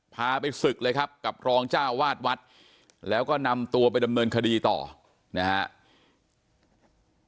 พาไปศึกเลยครับกับรองเจ้าวาดวัดแล้วก็นำตัวไปดำเนินคดีต่อนะครับ